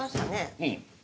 うん。